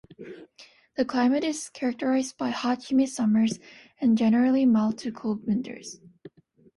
The climate is characterized by hot, humid summers and generally mild to cool winters.